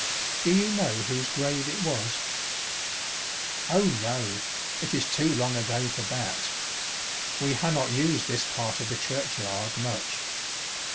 " Do you know whose grave it was ?"" Oh, no, it is too long ago for that. We ha' not used this part of the churchyard much.